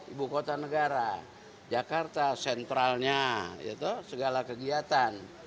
ibu kota negara jakarta sentralnya segala kegiatan